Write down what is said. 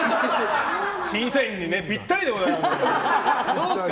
審査員にぴったりでございます。